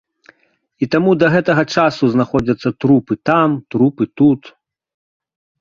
І таму да гэтага часу знаходзяцца трупы там, трупы тут.